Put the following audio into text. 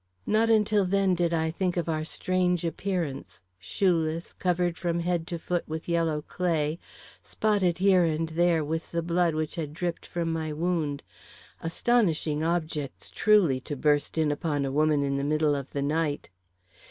Not until then did I think of our strange appearance, shoeless, covered from head to foot with yellow clay, spotted here and there with the blood which had dripped from my wound astonishing objects, truly, to burst in upon a woman in the middle of the night!